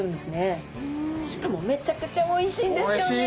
しかもめちゃくちゃおいしいんですよねえ。